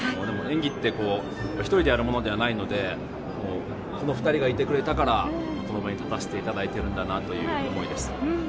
でも、演技って、１人でやるものではないので、もうこの２人がいてくれたから、この場に立たせていただいてるんだなという思いです。